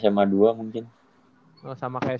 sema dua mungkin oh sama kayak